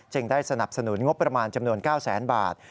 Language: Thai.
จึงได้สนับสนุนงบประมาณจำนวน๙๐๐๐๐๐บาท